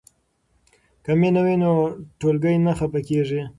که مینه وي نو ټولګی نه خفه کیږي.